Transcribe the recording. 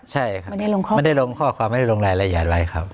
ใช่ครับไม่ได้ลงข้อความไม่ได้ลงรายละเอียดไว้ครับ